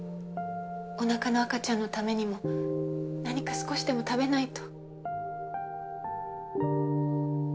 お腹の赤ちゃんのためにも何か少しでも食べないと。